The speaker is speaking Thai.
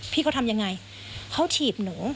พี่เขาทำยังไงเขาถีบหนู